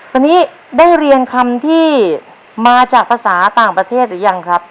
ตอนนี้ได้เรียนคำที่มาจากภาษาต่างประเทศหรือยังครับ